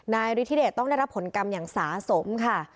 นายฤทธิเดชต้องได้รับผลกรรมอย่างสาสมค่ะ